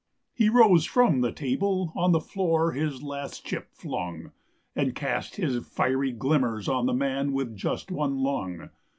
He rose from the table, on the floor his last chip flung, And cast his fiery glimmers on the man with just one lung.